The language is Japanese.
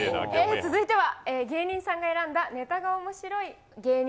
続いては、芸人さんが選んだネタが面白い芸人